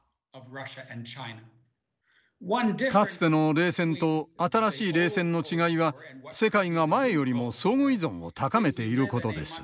かつての冷戦と新しい冷戦の違いは世界が前よりも相互依存を高めていることです。